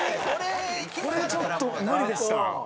これがちょっと無理でした。